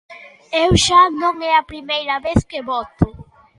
Eu xa non é a primeira vez que voto.